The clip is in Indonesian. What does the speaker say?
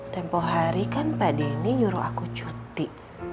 tempoh hari kan pak denny nyuruh aku cuti